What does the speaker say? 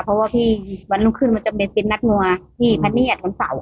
เพราะว่าพี่วันลงคืนมันจะเป็นเป็นนัดมัวที่พะเนียดวันเสาร์อ่ะ